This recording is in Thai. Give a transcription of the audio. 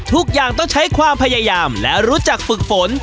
ทุกอย่างต้องใช้ความพยายามและรู้จักฝึกฝน